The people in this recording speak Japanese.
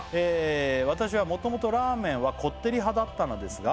「私はもともとラーメンはこってり派だったのですが」